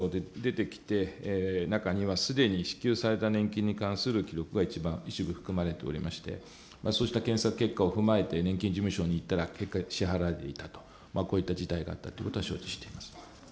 ご指摘のように、検索対象で出てきて、中にはすでに支給された年金に関する記録が一部含まれておりまして、そうした検索結果を踏まえて年金事務所に行ったら、結果、支払われていたと、こういった事態があったということは承知しています。